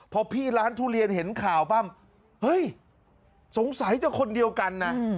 พอพี่ร้านทุเรียนเห็นข่าวปั้มเฮ้ยสงสัยจะคนเดียวกันนะ